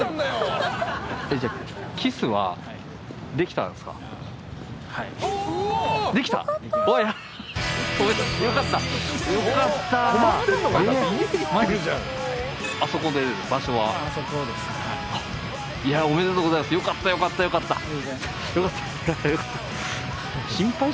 よかったよかったよかった！よかった。